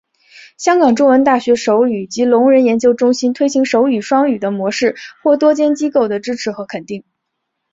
香港中文大学手语及聋人研究中心推行手语双语的模式获多间机构的支持和肯定。